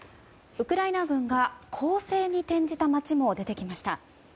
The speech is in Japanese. ウクライナ軍が攻勢に転じた街も出てきました。